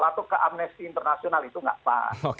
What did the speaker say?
atau ke amnesty international itu tidak pas